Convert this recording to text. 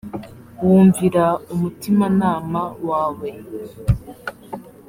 wumvira umutimanama wawe